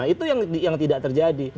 itu yang tidak terjadi